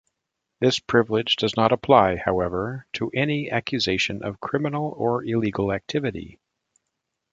This privilege does not apply, however, to any accusations of criminal or illegal activity.